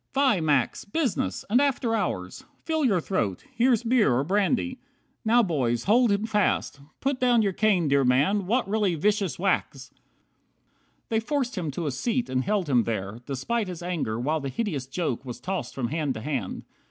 Fie, Max. Business! And after hours! Fill your throat; Here's beer or brandy. Now, boys, hold him fast. Put down your cane, dear man. What really vicious whacks!" 50 They forced him to a seat, and held him there, Despite his anger, while the hideous joke Was tossed from hand to hand.